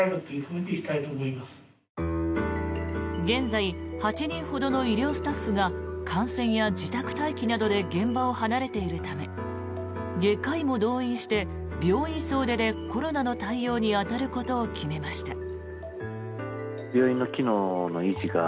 現在８人ほどの医療スタッフが感染や自宅待機などで現場を離れているため外科医も動員して、病院総出でコロナの対応に当たることを決めました。